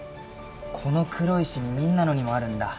この黒いシミみんなのにもあるんだ。